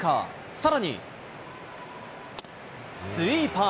さらに、スイーパー。